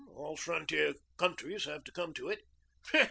"All frontier countries have to come to it."